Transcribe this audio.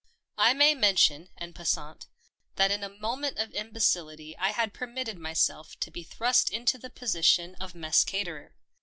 I may mention — en passant — that in a mo ment of imbecility I had permitted myself to be thrust into the position of mess caterer.